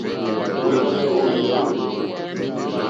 Nùwɛ́lɛ́lɛ́ ó rzùkúlù.